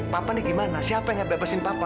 papa nih gimana siapa yang akan bebasin papa